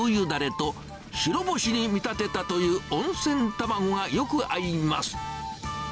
だれと白星に見立てたという温泉卵がよく合います。